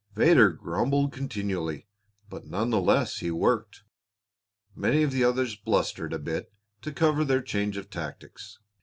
Vedder grumbled continually, but nevertheless he worked; many of the others blustered a bit to cover their change of tactics.